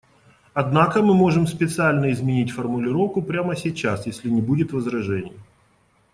Однако мы можем специально изменить формулировку прямо сейчас, если не будет возражений.